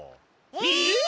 えっ！？